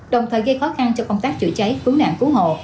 đồng thời gây khó khăn cho công tác chữa cháy cứu nạn cứu hộ